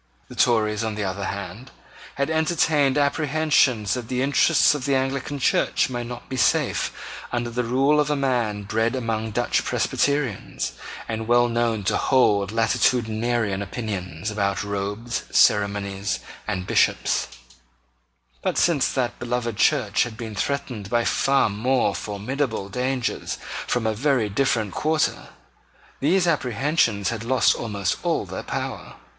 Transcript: The Tories, on the other hand, had entertained apprehensions that the interests of the Anglican Church might not be safe under the rule of a man bred among Dutch Presbyterians, and well known to hold latitudinarian opinions about robes, ceremonies, and Bishops: but, since that beloved Church had been threatened by far more formidable dangers from a very different quarter, these apprehensions had lost almost all their power.